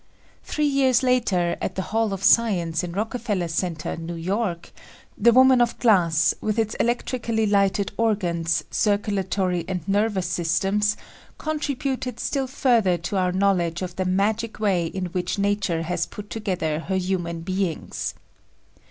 Three years later at the Hall of Science in Rockefeller Center, New York, the woman of glass with its elec trically lighted organs, circulatory and nervous systems, contributed still further to our knowledge of the magic way in which nature has put together her human beings.